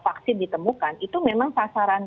vaksin ditemukan itu memang sasaran